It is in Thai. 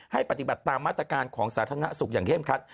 ให้ปฏิบัติตามมาตรการของสาธารณสุขอย่างเข้มคัด